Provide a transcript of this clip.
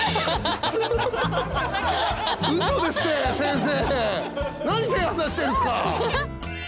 嘘ですって先生。